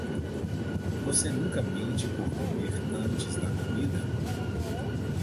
Você nunca mente por comer antes da comida?